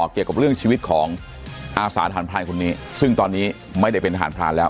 เกี่ยวกับเรื่องชีวิตของอาสาทหารพรานคนนี้ซึ่งตอนนี้ไม่ได้เป็นทหารพรานแล้ว